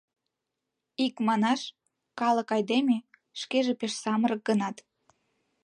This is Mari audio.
Икманаш, калык айдеме — шкеже пеш самырык гынат.